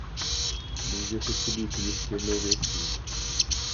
Můžete si být jist jednou věcí.